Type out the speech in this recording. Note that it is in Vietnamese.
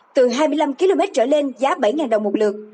từ hai mươi năm km trở lên giá bảy đồng một lượt